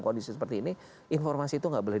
kondisi seperti ini informasi itu nggak boleh